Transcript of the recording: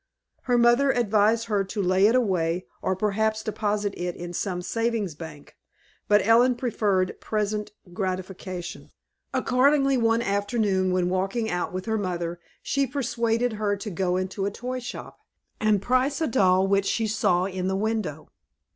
Her mother advised her to lay it away, or perhaps deposit it in some Savings Bank; but Ellen preferred present gratification. Accordingly one afternoon, when walking out with her mother, she persuaded her to go into a toy shop, and price a doll which she saw in the window.